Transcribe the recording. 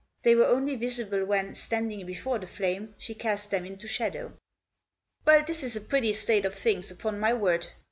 They were only visible when, standing before the flame, she cast them into shadow. " Well, this is a pretty state of things, upon my word